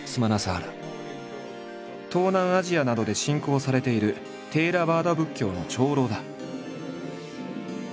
東南アジアなどで信仰されているテーラワーダ仏教の長老だ。